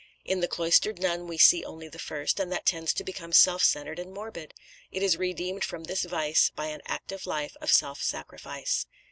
In the cloistered nun we see only the first, and that tends to become self centred and morbid; it is redeemed from this vice by an active life of self sacrifice.